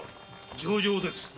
上々です。